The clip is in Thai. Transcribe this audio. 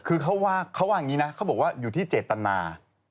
คือเขาว่าอย่างนี้นะเขาบอกว่าอยู่ที่เจตนา